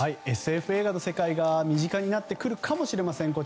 ＳＦ映画の世界が身近になってくるかもしれません。